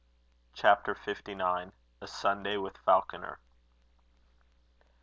CHAPTER XII. A SUNDAY WITH FALCONER.